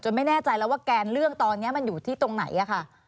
ไม่แน่ใจแล้วว่าแกนเรื่องตอนนี้มันอยู่ที่ตรงไหนค่ะ